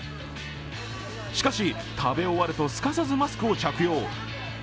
しかし食べ終わるとすかさずマスクを着用。